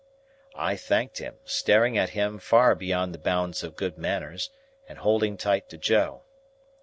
I thanked him, staring at him far beyond the bounds of good manners, and holding tight to Joe.